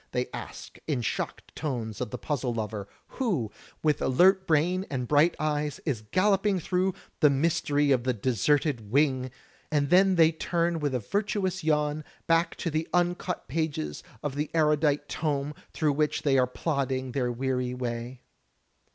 they ask in shocked tones of the puzzle lover, who, with alert brain and bright eyes, is galloping through "The Mystery of the Deserted Wing," and then they turn with a virtuous yawn, back to the imcut pages of the erudite tome through which they are plodding their weary way.